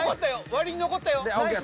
割に残ったよ。ＯＫ